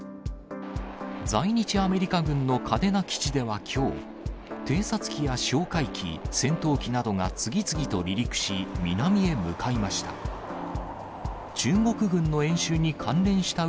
在日アメリカ軍の嘉手納基地ではきょう、偵察機や哨戒機、戦闘機などが次々と離陸し、南へ向かいました。